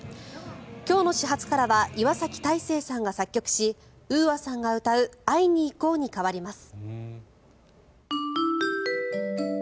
今日の始発からは岩崎太整さんが作曲しＵＡさんが歌う「会いにいこう」に変わります。